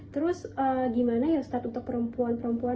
terus gimana ya ustadz untuk perempuan perempuan